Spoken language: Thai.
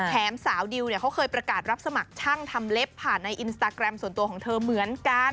สาวดิวเนี่ยเขาเคยประกาศรับสมัครช่างทำเล็บผ่านในอินสตาแกรมส่วนตัวของเธอเหมือนกัน